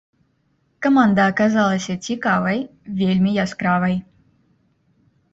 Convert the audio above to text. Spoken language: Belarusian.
Каманда аказалася цікавай, вельмі яскравай.